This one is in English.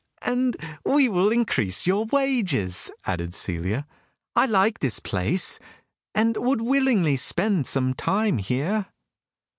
"And we will increase your wages," added Celia. "I like this place, and would willingly spend some time here."